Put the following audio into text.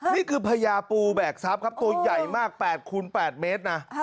พญาปูแบกทรัพย์ครับตัวใหญ่มาก๘คูณ๘เมตรนะ